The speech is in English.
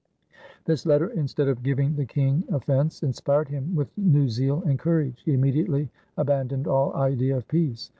This letter, instead of giving the king offense, inspired him with new zeal and courage. He immediately aban doned all idea of peace.